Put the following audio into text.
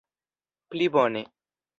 plibone